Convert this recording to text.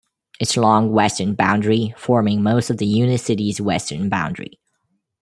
Its long western boundary forming most of the unicity's western boundary.